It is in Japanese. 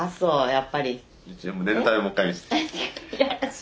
やっぱり。